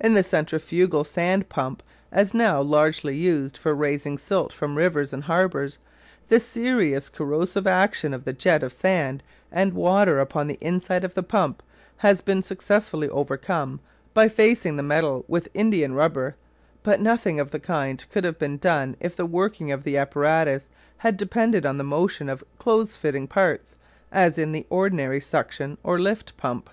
In the centrifugal sand pump, as now largely used for raising silt from rivers and harbours, the serious corrosive action of the jet of sand and water upon the inside of the pump has been successfully overcome by facing the metal with indiarubber; but nothing of the kind could have been done if the working of the apparatus had depended on the motion of close fitting parts, as in the ordinary suction or lift pump.